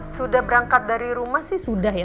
sudah berangkat dari rumah sih sudah ya